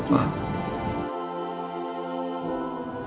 apa yang tak terjadi